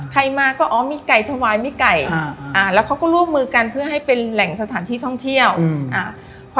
ใครมาก็อ๋อมีไก่ถวายมีไก่อ่าอ่าแล้วเขาก็ร่วมมือกันเพื่อให้เป็นแหล่งสถานที่ท่องเที่ยวอืมอ่า